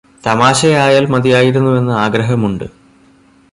തമാശയായാൽ മതിയായിരുന്നുയെന്ന് ആഗ്രഹമുണ്ട്